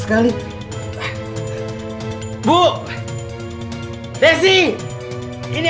saya ini nggak pake tempat terkaru